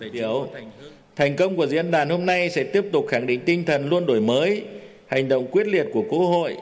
điều thành công của diễn đàn hôm nay sẽ tiếp tục khẳng định tinh thần luôn đổi mới hành động quyết liệt của quốc hội